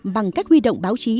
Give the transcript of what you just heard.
bằng các huy động báo chí